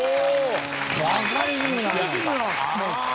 バカリズムなのか。